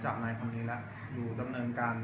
แต่ว่าเมืองนี้ก็ไม่เหมือนกับเมืองอื่น